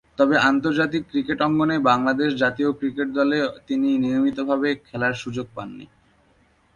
তবে, আন্তর্জাতিক ক্রিকেট অঙ্গনে বাংলাদেশ জাতীয় ক্রিকেট দলে তিনি নিয়মিতভাবে খেলার সুযোগ পাননি।